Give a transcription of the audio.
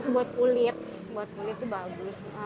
buat kulit buat kulit itu bagus